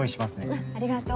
うんありがと。